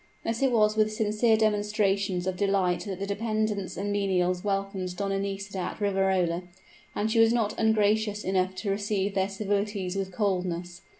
Thus it was with sincere demonstrations of delight that the dependents and menials welcomed Donna Nisida at Riverola; and she was not ungracious enough to receive their civilities with coldness.